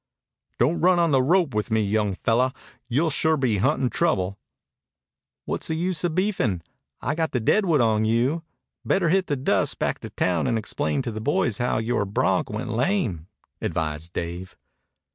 "Don't run on the rope with me, young fellow. You'll sure be huntin' trouble." "What's the use o' beefin'? I've got the deadwood on you. Better hit the dust back to town and explain to the boys how yore bronc went lame," advised Dave.